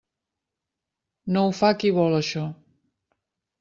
No ho fa qui vol això.